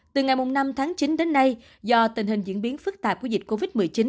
từ ngày năm tháng chín đến nay do tình hình diễn biến phức tạp của dịch covid một mươi chín